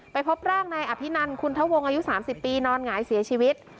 พบร่างนายอภินันคุณทะวงอายุ๓๐ปีนอนหงายเสียชีวิต